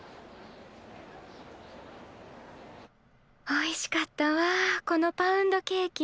おいしかったわこのパウンドケーキ。